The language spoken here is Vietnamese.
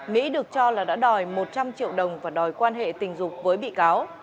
mỹ được cho là đã đòi một trăm linh triệu đồng và đòi quan hệ tình dục với bị cáo